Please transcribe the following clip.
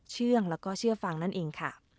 เชื่องแล้วก็เชื่อฟังนั่นเองค่ะ